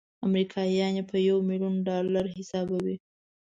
امریکایان یې په یو میلیون ډالرو حسابوي.